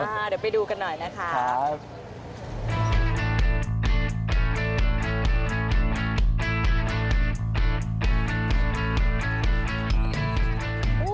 เดี๋ยวไปดูกันหน่อยนะคะ